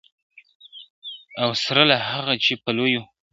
او سره له هغه چي په لویو ..